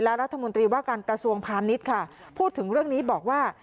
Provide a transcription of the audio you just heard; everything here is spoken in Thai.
และรัฐมนตรีว่าการกระทรวงพาณิชย์ค่ะพูดถึงเรื่องนี้บอกว่า